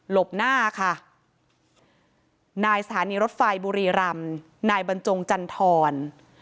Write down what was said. บหน้าค่ะนายสถานีรถไฟบุรีรำนายบรรจงจันทร